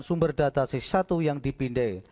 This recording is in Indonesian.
sumber data c satu yang dipindai